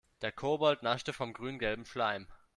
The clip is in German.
Der Kobold naschte vom grüngelben Schleim.